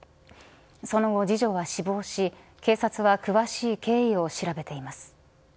その後、次女は死亡し警察は詳しい経緯を調べています